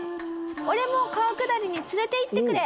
「俺も川下りに連れて行ってくれ！」